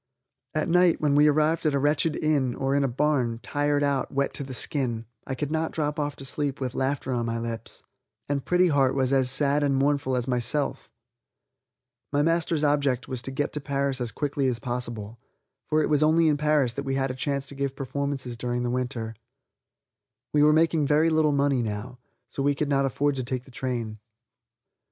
At night, when we arrived at a wretched inn, or in a barn, tired out, wet to the skin, I could not drop off to sleep with laughter on my lips. Sometimes we were frozen to the bone, and Pretty Heart was as sad and mournful as myself. My master's object was to get to Paris as quickly as possible, for it was only in Paris that we had a chance to give performances during the winter. We were making very little money now, so we could not afford to take the train.